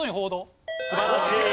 素晴らしい。